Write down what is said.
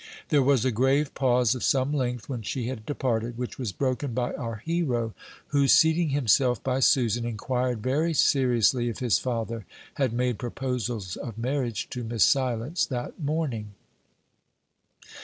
There was a grave pause of some length when she had departed, which was broken by our hero, who, seating himself by Susan, inquired very seriously if his father had made proposals of marriage to Miss Silence that morning.